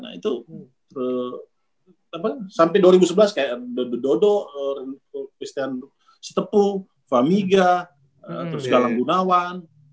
nah itu sampai dua ribu sebelas kayak dodo pistian setepu famiga terus galanggunawan